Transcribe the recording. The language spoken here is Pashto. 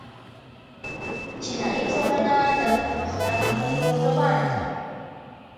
چینايي ټولنه د پرمختګ په لور روانه ده.